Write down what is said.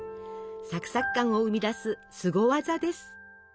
サクサク感を生み出すすご技です。